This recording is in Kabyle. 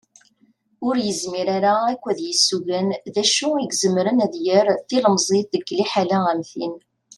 Ur yezmir ara akk ad yessugen d acu i izemren ad yerr tilemẓit deg liḥala am tin.